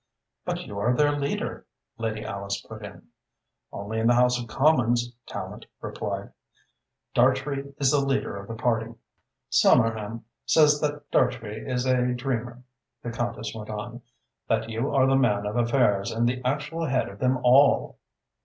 "But you are their leader," Lady Alice put in. "Only in the House of Commons," Tallente replied. "Dartrey is the leader of the party." "Somerham says that Dartrey is a dreamer," the Countess went on, "that you are the man of affairs and the actual head of them all."